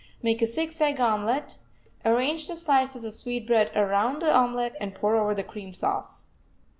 Make a six egg omelet, arrange the slices of sweetbread around the omelet and pour over the cream sauce.